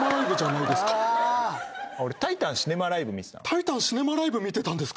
タイタンシネマライブ見てたんですか？